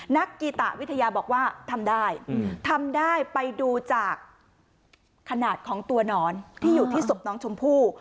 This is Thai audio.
นักกีตะวิทยาบอกว่าทำได้ทำได้ไปดูจากขนาดของตัวหนอนที่อยู่ที่ศพน้องชมพู่